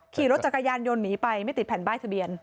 ขี่รถจักรยานยนต์หนีไปไม่ติดแผ่นป้ายทะเบียน